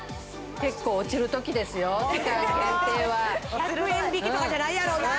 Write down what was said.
１００円引きとかじゃないやろな？